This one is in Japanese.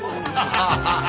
ハハハハ！